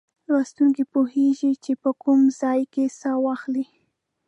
لوستونکی پوهیږي چې په کوم ځای کې سا واخلي.